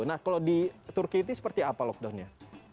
nah kalau di turki itu seperti apa lockdownnya